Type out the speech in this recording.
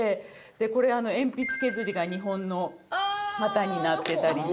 これ鉛筆削りが日本の旗になってたりとか。